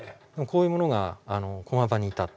こういうものが駒場にいた。